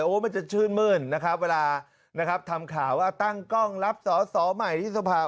มันจะชื่นมื้นนะครับเวลานะครับทำข่าวว่าตั้งกล้องรับสอสอใหม่ที่สภา